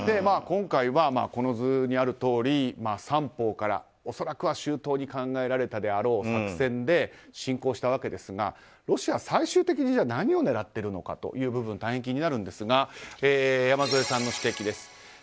今回は、この図にあるとおり三方から恐らくは周到に考えられたであろう作戦で侵攻したわけですがロシア、最終的に何を狙ってるのかという部分大変気になりますが山添さんの指摘です。